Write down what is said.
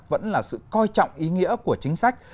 vẫn là sự coi trọng ý nghĩa của chính sách